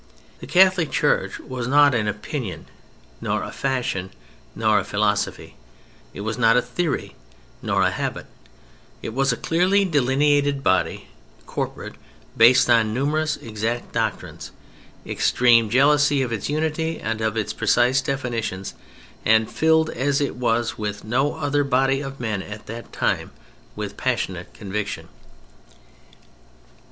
The Catholic Church was not an opinion, nor a fashion, nor a philosophy; it was not a theory nor a habit; it was a clearly delineated body corporate based on numerous exact doctrines, extremely jealous of its unity and of its precise definitions, and filled, as was no other body of men at that time, with passionate conviction.